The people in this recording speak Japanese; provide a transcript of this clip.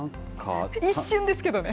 一瞬ですけどね。